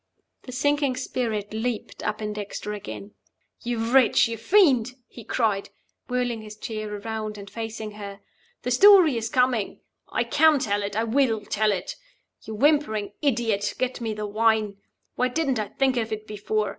The sinking spirit leaped up in Dexter again. "You wretch! you fiend!" he cried, whirling his chair around, and facing her. "The story is coming. I can tell it! I will tell it! Wine! You whimpering idiot, get me the wine. Why didn't I think of it before?